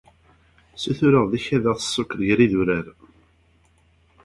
Sutureɣ deg-k ad aɣ-tessukeḍ gar yidurar.